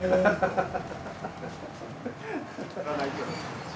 ハハハハ。